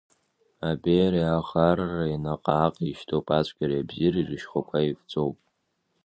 Абеиареи аӷарреи наҟ-ааҟ еишьҭоуп, ацәгьареи абзиареи рышьхәақәа еивҵоуп.